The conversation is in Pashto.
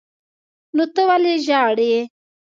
نو ته ولې ژاړې.